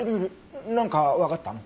なんかわかったの？